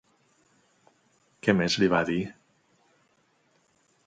Què més li va dir?